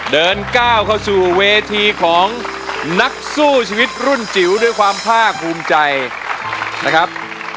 เดินก้าวเข้าสู่เวทีของนักสู้ชีวิตรุ่นจิ๋วด้วยความภาคภูมิใจนะครับ